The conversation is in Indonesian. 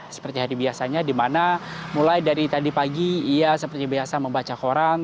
seperti hari biasanya di mana mulai dari tadi pagi ia seperti biasa membaca koran